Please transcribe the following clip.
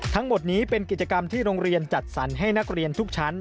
ทั้งหมดนี้เป็นกิจกรรมที่โรงเรียนจัดสรรให้นักเรียนทุกชั้น